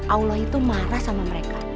allah itu marah sama mereka